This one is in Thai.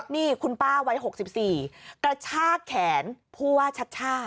นี่คุณป้าวัย๖๔กระชากแขนผู้ว่าชัชช่า